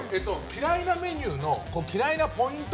嫌いなメニューの嫌いなポイント